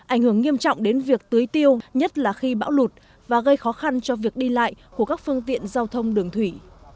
ảnh hưởng nghiêm trọng đến việc tưới tiêu nhất là khi bão lụt và gây khó khăn cho việc đi lại của các phương tiện giao thông đường thủy